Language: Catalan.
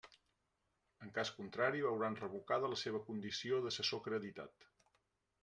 En cas contrari, veuran revocada la seva condició d'assessor acreditat.